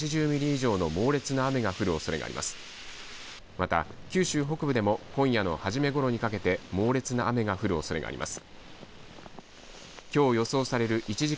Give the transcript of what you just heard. また九州北部でも今夜の初めごろにかけて猛烈な雨が降るおそれがあります。